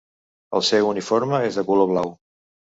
El seu uniforme és de color blau.